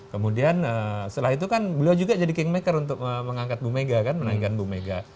kemudian setelah itu kan beliau juga jadi king maker untuk mengangkat bumega kan menaikkan bumega